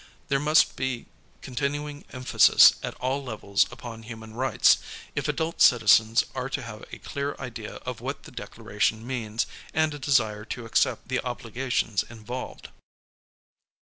There must be con tinuing emphasis at all levels upon human rights, if adult citizens are to have a clear idea of what the Declaration means, and a desire to accept the obli gations involved.